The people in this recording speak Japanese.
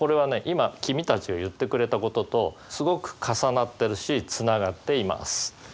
今君たちが言ってくれたこととすごく重なってるしつながっています。